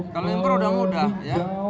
kalau impor sudah mudah ya